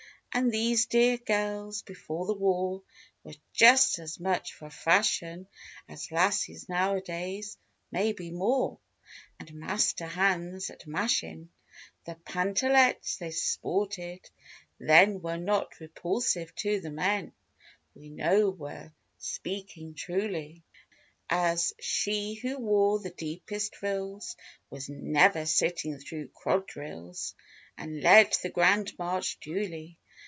And these dear girls, before the war, Were just as much for fashion As lassies nowadays—maybe more— And master hands at mashin' The pantalettes they sported then Were not repulsive to the men (We know we're speaking truly) ; As she who wore the deepest frills Was never "sitting through quadrilles"— And led the grand march duly.